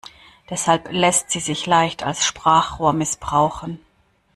Deshalb lässt sie sich leicht als Sprachrohr missbrauchen.